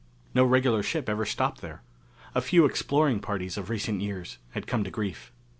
No regular ship ever stopped there. A few exploring parties of recent years had come to grief.